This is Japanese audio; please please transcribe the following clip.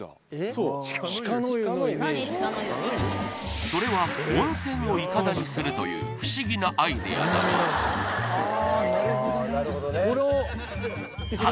そうそれは温泉をイカダにするという不思議なアイデアだがあなるほどね